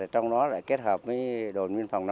trong đó lại kết hợp với đội biên phòng năm mươi bốn